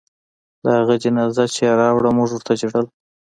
د هغه جنازه چې يې راوړه موږ ورته ژړل.